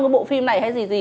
cái bộ phim này hay gì